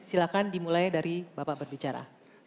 silahkan dimulai dari bapak berbicara